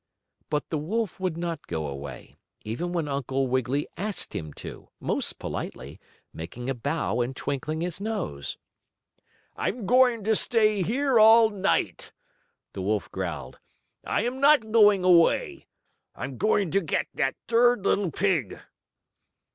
Rut the wolf would not go away, even when Uncle Wiggily asked him to, most politely, making a bow and twinkling his nose. "I'm going to stay here all night," the wolf growled. "I am not going away. I am going to get that third little pig!"